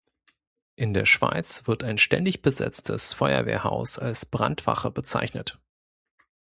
In der Schweiz wird ein ständig besetztes Feuerwehrhaus als Brandwache bezeichnet.